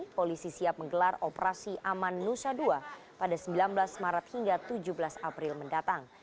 polisi siap menggelar operasi aman nusa dua pada sembilan belas maret hingga tujuh belas april mendatang